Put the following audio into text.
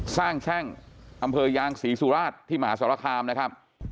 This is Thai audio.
สร้างแช่งอำเภอยางศรีสุราชที่มหาสรคามนะครับ